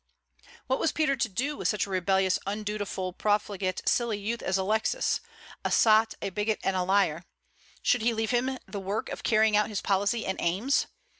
What was Peter to do with such a rebellious, undutiful, profligate, silly youth as Alexis, a sot, a bigot, and a liar? Should he leave to him the work of carrying out his policy and aims?